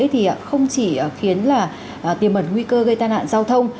thì không chỉ khiến tiềm mật nguy cơ gây tai nạn giao thông